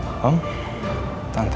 saya gak peduli tante